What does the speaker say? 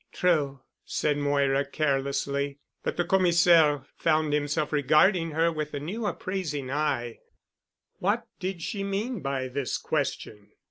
"True," said Moira carelessly, but the Commissaire found himself regarding her with a new appraising eye. What did she mean by this question?